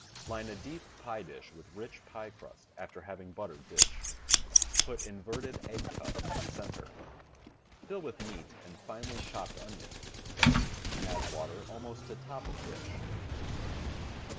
Line a deep pie dish with rich pie crust after having buttered dish. Put inverted egg cup in center. FiU with meat and finely chopped onion. Add water almost to top of dish.